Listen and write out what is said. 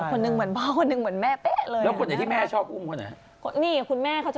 คนหนึ่งเหมือนพ่อคนหนึ่งเหมือนแม่